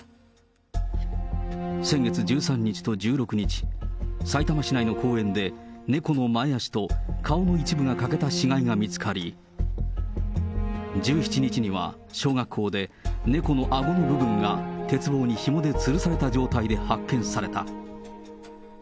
先月１３日と１６日、さいたま市内の公園で猫の前足と顔の一部が欠けた死骸が見つかり、１７日には小学校で猫のあごの部分が鉄棒にひもでつるされた状態で発見された。